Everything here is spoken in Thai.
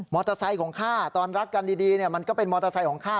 มอเตอร์ไซด์ของข้าตอนรักกันดีมันก็เป็นมอเตอร์ไซด์ของข้า